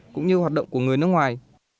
cũng như hoạt động của người nước ngoài